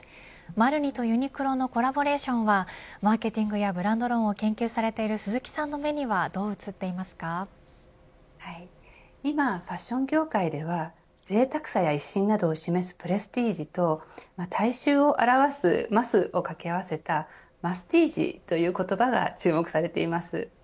ＭＡＲＮＩとユニクロのコラボレーションはマーケティングやブランド論を研究されている鈴木さんの目には今ファッション業界ではぜいたくさや威信などを示すプレスティージと大衆を表すマスを掛け合わせたマスティージという言葉が注目されています。